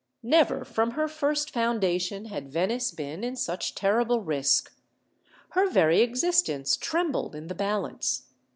Never, from her first foundation, had Venice been in such terrible risk. Her very existence trembled in the balance.